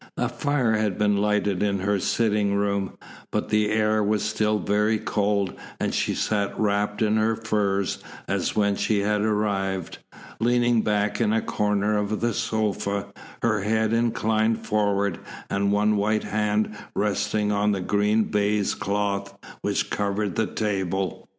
A fire had been lighted in her sitting room, but the air was still very cold and she sat wrapped in her furs as when she had arrived, leaning back in a corner of the sofa, her head inclined forward, and one white hand resting on the green baize cloth which covered the table.